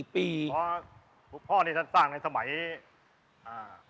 พรุ่งพ่อกระจายต้นในสมัยครับ